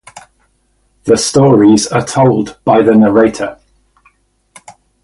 The stories are told by the narrator.